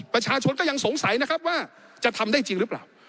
ประชาชนก็ยังสงสัยนะครับว่าจะทำได้จริงหรือเปล่า